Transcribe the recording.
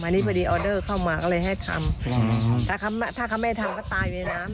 อันนี้พอดีออเดอร์เข้ามาก็เลยให้ทำถ้าเขาไม่ทำก็ตายอยู่ในน้ำ